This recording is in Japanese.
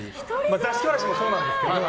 座敷わらしもそうなんですけど。